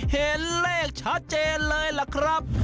เห็นเลขชัดเจนเลยล่ะครับ